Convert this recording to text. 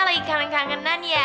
lagi kangen kangenan ya